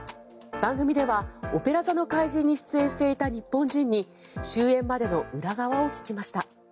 番組では「オペラ座の怪人」に出演していた日本人に終演までの裏側を聞きました。